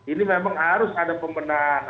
ini memang harus ada pembenahan